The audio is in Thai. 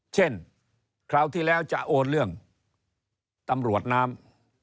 คราวที่แล้วจะโอนเรื่องตำรวจน้ำ